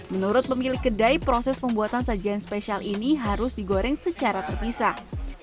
menurut pemilik kedai proses pembuatan sajian spesial ini harus digoreng secara terpisah